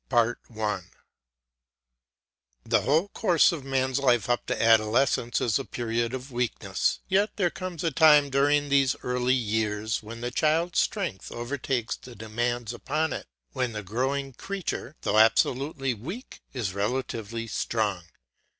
BOOK III The whole course of man's life up to adolescence is a period of weakness; yet there comes a time during these early years when the child's strength overtakes the demands upon it, when the growing creature, though absolutely weak, is relatively strong.